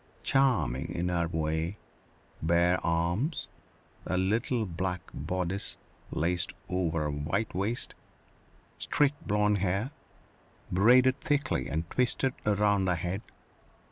Charming, in her way. Bare arms. A little black bodice laced over a white waist. Straight blonde hair, braided thickly and twisted around her head.